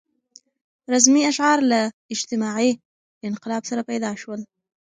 رزمي اشعار له اجتماعي انقلاب سره پیدا شول.